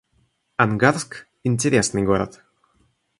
Ангарск — интересный город